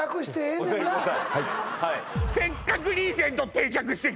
んなお座りください